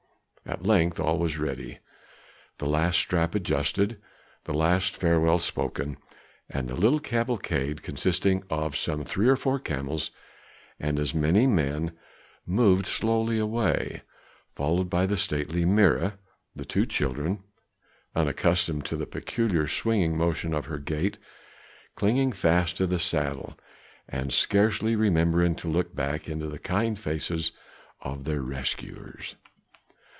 At length all was ready, the last strap adjusted, the last farewell spoken, and the little cavalcade, consisting of some three or four camels and as many men, moved slowly away, followed by the stately Mirah, the two children, unaccustomed to the peculiar swinging motion of her gait, clinging fast to the saddle and scarcely remembering to look back into the kind faces of their rescuers.